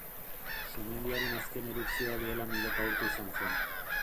Sumendiaren azken erupzioa duela milaka urte izan zen.